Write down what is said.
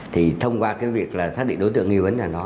thì thông qua việc xác định đối tượng nghi vấn là nó